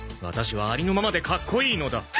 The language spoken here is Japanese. ワタシはありのままでかっこいいのだ